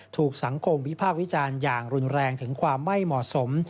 ถูกสังคมวิพากษ์วิจารณ์อย่างรุนแรงถึงความไม่เหมาะสม